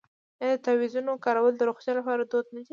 آیا د تعویذونو کارول د روغتیا لپاره دود نه دی؟